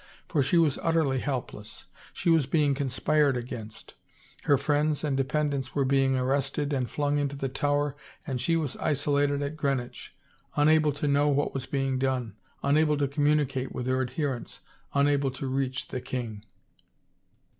For she was utterly help less. She was being conspired against ; her friends and dependants were being arrested and flung into the Tower and she was isolated at Greenwich, unable to know what was being done, unable to communicate with her adher ents, unable to reach the king.